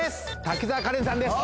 滝沢カレンさんです